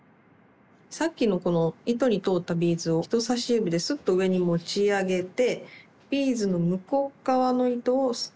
さっきのこの糸に通ったビーズを人さし指でスッと上に持ち上げてビーズの向こう側の糸をすくう。